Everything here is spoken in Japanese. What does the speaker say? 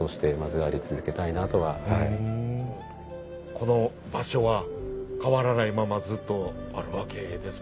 この場所は変わらないままずっとあるわけですもんね。